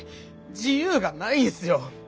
自由がないんすよ！